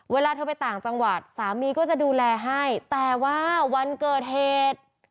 เวลาเธอไปต่างจังหวัดสามีก็จะดูแลให้แต่ว่าวันเกิดเหตุ